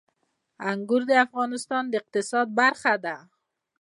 انګور د افغانستان د اقتصاد برخه ده.